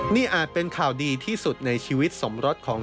นี่อาจเป็นข่าวดีที่สุดในชีวิตสมรสของ